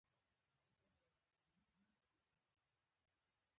سترګې د خدای د عظمت یوه هنداره ده